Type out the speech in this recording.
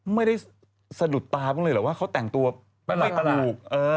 ไม่ได้สะดุดตาบ้างเลยเหรอว่าเขาแต่งตัว